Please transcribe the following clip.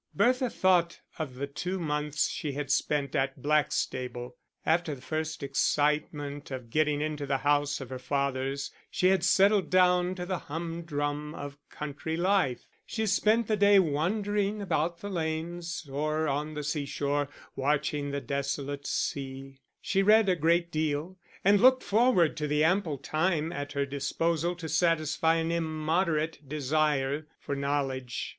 Bertha thought of the two months she had spent at Blackstable.... After the first excitement of getting into the house of her fathers she had settled down to the humdrum of country life; she spent the day wandering about the lanes or on the seashore watching the desolate sea; she read a great deal, and looked forward to the ample time at her disposal to satisfy an immoderate desire for knowledge.